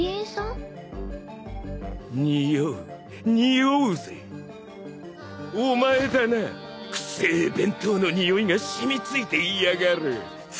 お前だな臭え弁当のにおいが染み付いていやがる。